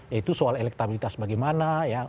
yaitu soal elektabilitas bagaimana ya